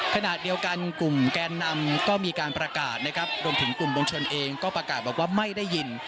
ขณะเดียวกันกลุ่มแกนนำก็มีการประกาศนะครับรวมถึงกลุ่มมวลชนเองก็ประกาศบอกว่าไม่ได้ยิน